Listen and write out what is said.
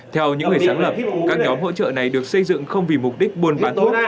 theo những người sáng lập các nhóm hỗ trợ này được xây dựng không vì mục đích buôn bán thuốc